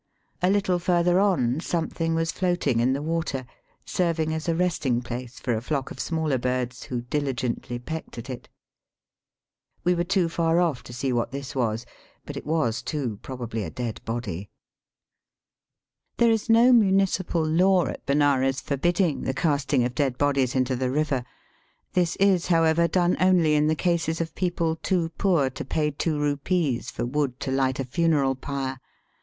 A little farther on some thing was floating in the water, serving as a resting place for a flock of smaller birds, who diligently pecked at it. We were too far off to Digitized by VjOOQIC BATHING IN THE GANGES, 233 see what this was, but it was too probably a dead body. There is no municipal law at Benares forbidding the casting of dead bodies into the river. This is, however, done only in the cases of people too poor to pay two rupees for wood to light a funeral pyre.